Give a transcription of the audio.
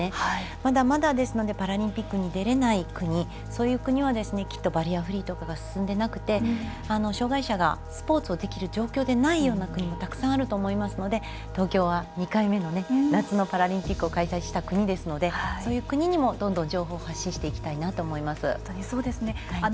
まだまだですのでパラリンピックに出られない国そういう国はきっとバリアフリーとかが進んでいなくて障がい者がスポーツをできる状況ではないような国もたくさんあると思いますので東京は２回目の夏のパラリンピックを開催した国ですのでそういう国にもどんどん情報を発信していきたいなと思います。